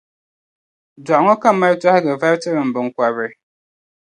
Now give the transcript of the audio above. Daɣu ŋɔ ka m mali tɔhigiri vari n-tiri m biŋkɔbri.